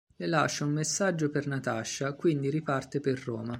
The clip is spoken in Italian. Le lascia un messaggio per Natacha, quindi riparte per Roma.